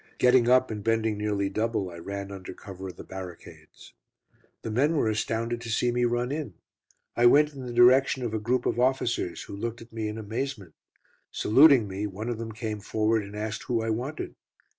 Getting up, and bending nearly double, I ran under cover of the barricades. The men were astounded to see me run in. I went in the direction of a group of officers, who looked at me in amazement. Saluting me, one of them came forward and asked who I wanted.